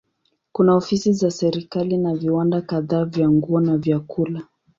Kuna ofisi za serikali na viwanda kadhaa vya nguo na vyakula.